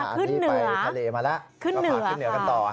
อันนี้ไปทะเลมาแล้วก็มาขึ้นเหนือกันต่อ